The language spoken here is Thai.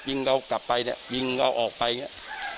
ยิงเอากลับไปเนี่ยยิงเอาออกไปเนี่ย